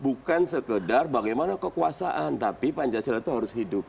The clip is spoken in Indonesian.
bukan sekedar bagaimana kekuasaan tapi pancasila itu harus hidup